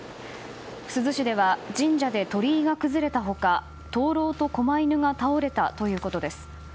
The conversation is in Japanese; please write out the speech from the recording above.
珠洲市では神社で鳥居が崩れた他灯篭とこま犬が倒れたということです。